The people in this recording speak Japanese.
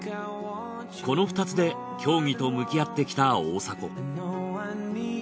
この２つで競技と向き合ってきた大迫